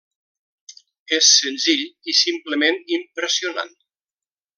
És senzill i simplement impressionant.